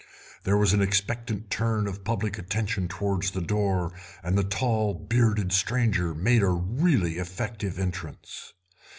There was an expectant turn of public attention towards the door, and the tall, bearded stranger made a really effective entrance.